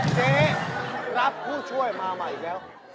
เจ๊รับผู้ช่วยมาใหม่อีกแล้ว